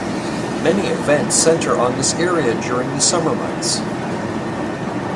Many events center on this area during the summer months.